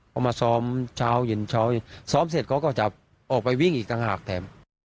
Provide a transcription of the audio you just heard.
พอมาซ้อมเช้าเย็นเช้าเย็นซ้อมเสร็จเขาก็จะออกไปวิ่งอีกต่างหากแถม